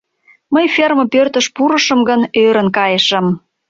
Мый ферме пӧртыш пурышым гын, ӧрын кайышым.